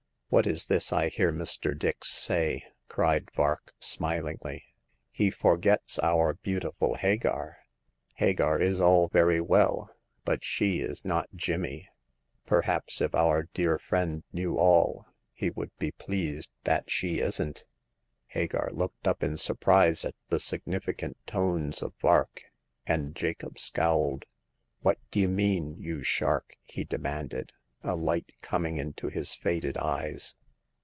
What is this I hear Mr. Dix say!'* cried Vark, smilingly. He forgets our beautiful Hagar." ,Hagar is all very well, but she is not Jimmy." Perhaps, if our dear friend knew all, he would be pleased that she isn't." Hagar looked up in surprise at the significant tones of Vark, and Jacob scowled. What d'ye mean, you shark?" he demanded, a light com ing into his faded eyes.